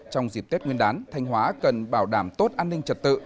trong dịp tết nguyên đán thanh hóa cần bảo đảm tốt an ninh trật tự